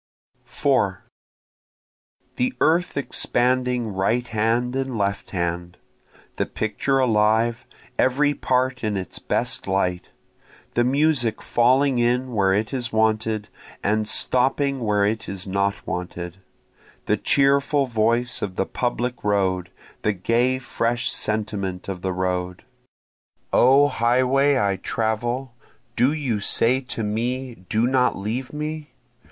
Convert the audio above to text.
4 The earth expanding right hand and left hand, The picture alive, every part in its best light, The music falling in where it is wanted, and stopping where it is not wanted, The cheerful voice of the public road, the gay fresh sentiment of the road. O highway I travel, do you say to me Do not leave me?